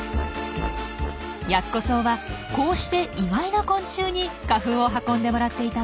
ヤッコソウはこうして意外な昆虫に花粉を運んでもらっていたんです。